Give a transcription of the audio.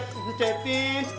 pak girun pencetin